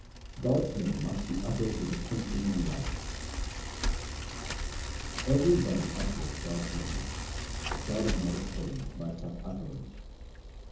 God's name must be uttered with attention and love :— Everybody uttereth God's name, but God is not obtained by such utterance.